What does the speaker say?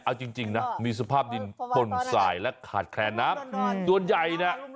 เอาจริงนะมีสภาพดินป่นสายและขาดแคลนน้ำส่วนใหญ่เนี่ย